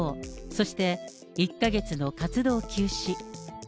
そして、１か月の活動休止。